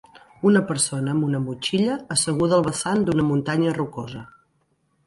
Una persona amb una motxilla asseguda al vessant d'una muntanya rocosa.